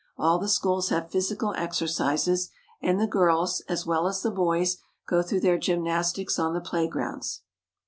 All the schools have physical exercises, and the girls, as well as the boys, go through their gymnastics on the playgrounds.